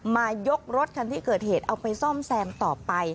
ยกรถคันที่เกิดเหตุเอาไปซ่อมแซมต่อไป